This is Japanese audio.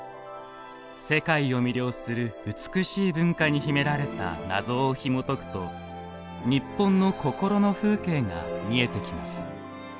世界を魅了する美しい文化に秘められた謎をひもとくと日本の心の風景が見えてきます。